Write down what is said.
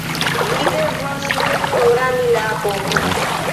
Ni devas nun programi la apon